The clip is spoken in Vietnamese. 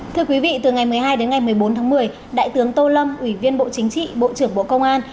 thưa quý vị từ ngày một mươi hai đến ngày một mươi bốn tháng một mươi đại tướng tô lâm ủy viên bộ chính trị bộ trưởng bộ công an